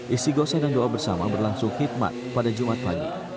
isi gosah dan doa bersama berlangsung khidmat pada jumat pagi